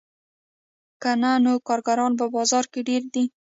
که نه نو کارګران په بازار کې ډېر دي